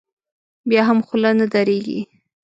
بیا هم خوله نه درېږي.